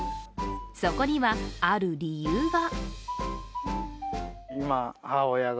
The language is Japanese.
そこにはある理由が。